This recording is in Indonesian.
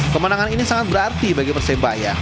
kemenangan ini sangat berarti bagi persebaya